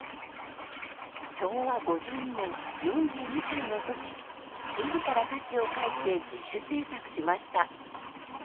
昭和５２年４２歳の時自ら歌詞を書いて自主制作しました。